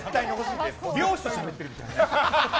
漁師としゃべってるみたい。